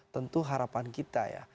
tentu harapan kita ya